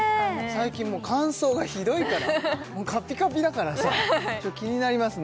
最近もう乾燥がひどいからもうカピカピだからさちょっと気になりますね